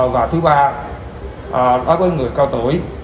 và thứ ba đối với người cao tuổi